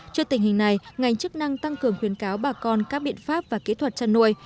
trước tình hình này ngành chức năng tăng cường khuyến cáo bà con các biện pháp và kỹ thuật chăn nuôi